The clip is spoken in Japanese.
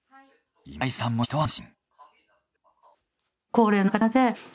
今井さんも一安心。